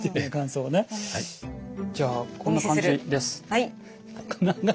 じゃあこんな感じです。